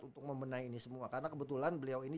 untuk membenahi ini semua karena kebetulan beliau ini